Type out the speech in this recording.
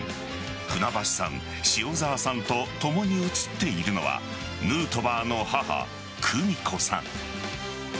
船橋さん、塩澤さんと共に写っているのはヌートバーの母・久美子さん。